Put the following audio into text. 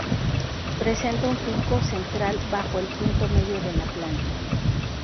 Presenta un pico central bajo el punto medio de la planta.